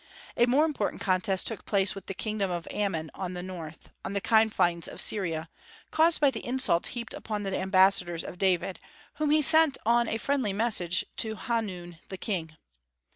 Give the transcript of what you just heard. A more important contest took place with the kingdom of Ammon on the north, on the confines of Syria, caused by the insults heaped on the ambassadors of David, whom he sent on a friendly message to Hanun the King.